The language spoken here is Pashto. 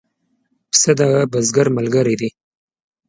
پسه د بزګر ملګری دی.